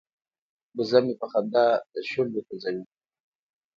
وزه مې په خندا شونډې خوځوي.